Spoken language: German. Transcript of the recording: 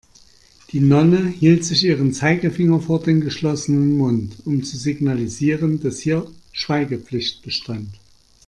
Die Nonne hielt sich ihren Zeigefinger vor den geschlossenen Mund, um zu signalisieren, dass hier Schweigepflicht bestand.